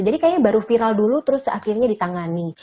jadi kayaknya baru viral dulu terus akhirnya ditangani